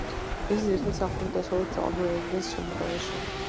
ისინი ძირითადად სახლობდნენ დაახლოებით დღევანდელი ედირნეს შემოგარენში.